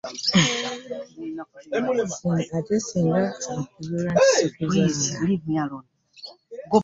Ate ssinga okizuula nti si y'akuzaala!